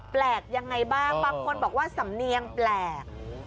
แปลกยังไงบ้างบางคนบอกว่าสำเนียงแปลก